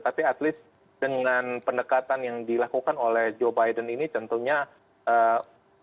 tapi at least dengan pendekatan yang dilakukan oleh joe biden ini tentunya